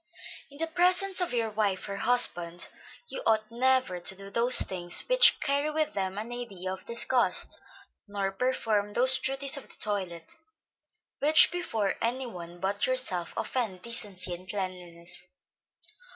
In the presence of your wife or husband, you ought never to do those things which carry with them an idea of disgust, nor perform those duties of the toilet, which before any one but yourself offend decency and cleanliness.